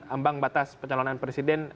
ambang batas pencalonan presiden